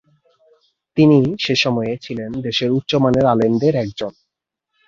তিনি সে সময়ে ছিলেন দেশের উচ্চ মানের আলেমদের একজন।